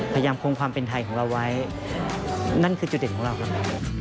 พยายามคงความเป็นไทยของเราไว้นั่นคือจุดเด่นของเราครับ